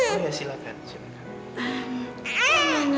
oh ya silahkan